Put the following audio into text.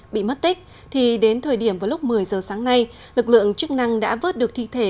bị mất tích thì đến thời điểm vào lúc một mươi giờ sáng nay lực lượng chức năng đã vớt được thi thể